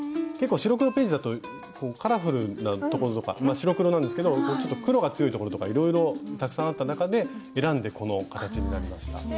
結構白黒ページだとカラフルなところとか白黒なんですけどちょっと黒が強いところとかいろいろたくさんあった中で選んでこの形になりました。